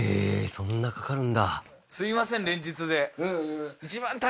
そんなかかるんだ？